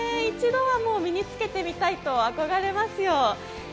一度は身につけてみたいと憧れますよ。